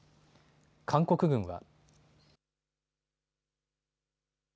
韓国軍は。